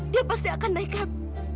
dia pasti akan naikkan